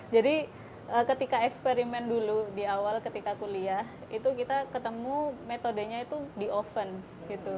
jadi ketika eksperimen dulu di awal ketika kuliah itu kita ketemu metodenya itu di oven gitu